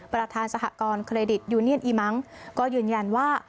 ประธานสหกรณเครดิตยูเนียนอีมังก็ยืนยันว่า